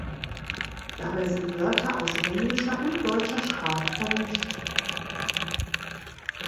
Dabei sind Wörter aus englischer und deutscher Sprache vermischt.